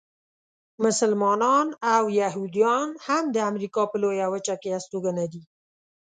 مسلمانان او یهودیان هم د امریکا په لویه وچه کې استوګنه دي.